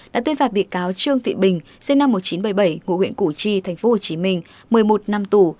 đã tuyên phạt bị cáo trương thị bình sinh năm một nghìn chín trăm bảy mươi bảy ngụ huyện củ chi tp hcm một mươi một năm tù